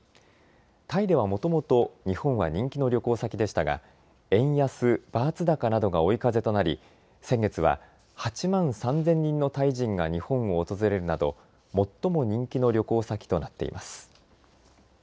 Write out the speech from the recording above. タイではもともと日本は人気の旅行先でしたが円安バーツ高などが追い風となり先月は８万３０００人のタイ人が日本を訪れるなど最も人気の旅行先となっています。